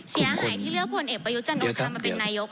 เสียหายที่เลือกคนเอกประยุจนุษย์ทำมาเป็นนายโยค